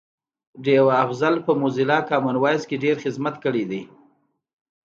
ډیوه افضل په موزیلا کامن وایس کی ډېر خدمت کړی دی